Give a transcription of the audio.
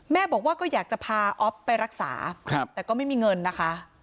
แม่บอกว่าก็อยากจะพาอ๊อฟไปรักษาแต่ก็ไม่มีเงินนะคะ